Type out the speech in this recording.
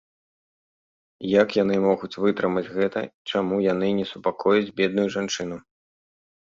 Як яны могуць вытрымаць гэта і чаму яны не супакояць бедную жанчыну?